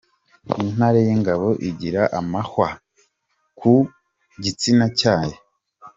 Intare y’ingabo igira amahwa ku gitsina cyayo.